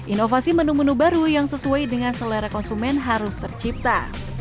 inovasi menu menu baru yang sesuai dengan selera konsumen harus tercipta